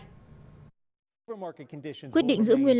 quyết định giữ nguyên lãi suất của nga nga đã đặt cách mời các vận động viên của nga